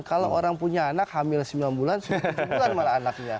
kalau orang punya anak hamil sembilan bulan sudah tujuh bulan malah anaknya